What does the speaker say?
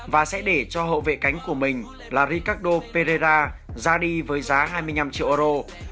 và sẽ để cho hậu vệ cánh của mình là rikado pedera ra đi với giá hai mươi năm triệu euro